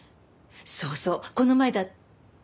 そうそうこの前だって。